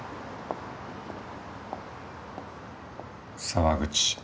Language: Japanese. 沢口